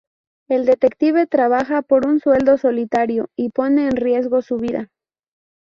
El detective trabaja por un sueldo, solitario y pone en riesgo su vida.